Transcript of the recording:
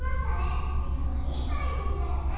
じつはいいかいじんだよね。